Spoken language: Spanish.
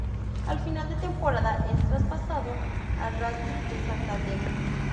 Al final de temporada es traspasado al Racing de Santander.